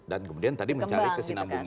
dan kemudian tadi mencari kesinambungannya